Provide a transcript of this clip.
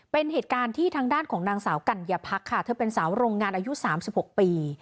เป็นเหตุการณ์ที่ทางด้านของนางสาวกัญญาพักค่ะเธอเป็นสาวโรงงานอายุ๓๖ปี